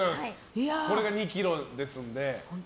これが２ｋｇですので。